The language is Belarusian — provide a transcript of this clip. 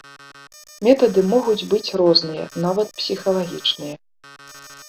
Метады могуць быць розныя, нават псіхалагічныя.